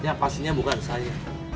ya pastinya bukan saya